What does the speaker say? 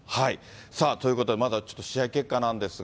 さあ、ということで、まずはちょっと試合結果なんですが。